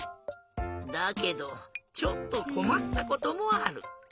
だけどちょっとこまったこともある。